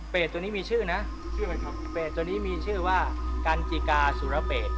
เป็ดตัวนี้มีชื่อนะเป็ดตัวนี้มีชื่อว่ากันจิกาสุระเป็ด